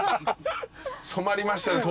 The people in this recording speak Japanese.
染まりましたね